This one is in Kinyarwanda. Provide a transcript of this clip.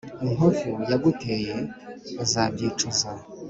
Inkovu yaguteye azabyicuza